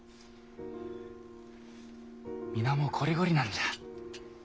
皆もうこりごりなんじゃ。